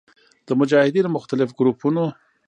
د مجاهدینو مختلف ګروپونو